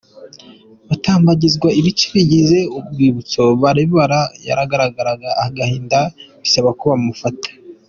Batambagizwa ibice bigize urwibutso, Barbara yagaragazaga agahinda, bisaba ko bamufata.